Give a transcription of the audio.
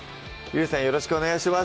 よろしくお願いします